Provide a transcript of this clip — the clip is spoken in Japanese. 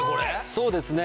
そうですね。